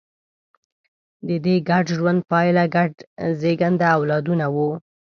د دې ګډ ژوند پایله ګډ زېږنده اولادونه وو.